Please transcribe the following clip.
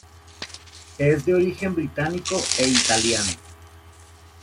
Es de origen británico e italiano.